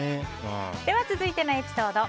続いてのエピソード。